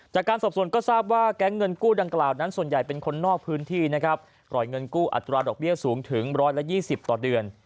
จากการสอบส่วนก็ทราบว่าแก๊งเงินกู้ดังกล่าวนั้นส่วนใหญ่เป็นคนนอกพื้นที่นะครับปล่อยเงินกู้อัตราดอกเบี้ยสูงถึง๑๒๐ต่อเดือน